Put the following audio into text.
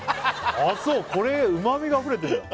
あっそうこれうま味があふれてんだ